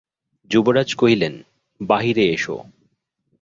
যুবরাজ কহিলেন, বাহিরে এস।